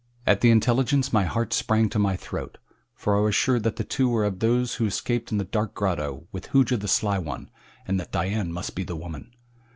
At the intelligence my heart sprang to my throat, for I was sure that the two were of those who escaped in the dark grotto with Hooja the Sly One, and that Dian must be the woman.